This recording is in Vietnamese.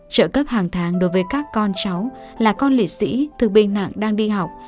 trợ cấp hàng tháng đối với các con cháu là con liệt sĩ thương binh nặng đang đi học